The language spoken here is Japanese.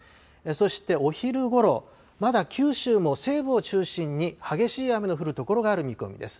そしてお昼ごろ、まだ九州も西部を中心に激しい雨の降る所がある見込みです。